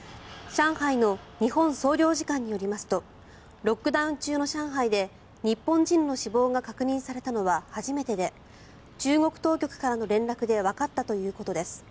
上海の日本総領事館によりますとロックダウン中の上海で日本人の死亡が確認されたのは初めてで中国当局からの連絡でわかったということです。